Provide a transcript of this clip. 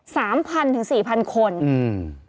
สามพันถึงสี่พันคนอืม